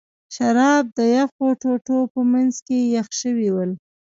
شراب د یخو ټوټو په منځ کې یخ شوي ول.